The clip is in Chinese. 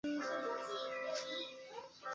基利安斯罗达是德国图林根州的一个市镇。